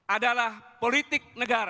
adalah politik negara